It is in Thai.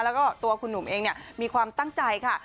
แล้วก็ตัวคุณหนุ่มเองมีความตั้งใจค่ะ